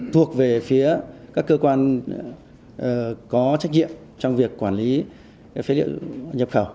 thuộc về phía các cơ quan có trách nhiệm trong việc quản lý phế liệu nhập khẩu